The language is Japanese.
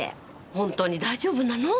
本当に大丈夫なの？